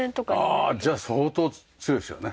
ああじゃあ相当強いですよね。